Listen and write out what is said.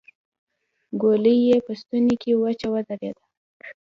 ګولۍ يې په ستونې کې وچه ودرېده.